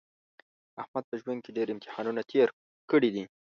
احمد په ژوند کې ډېر امتحانونه تېر کړي دي.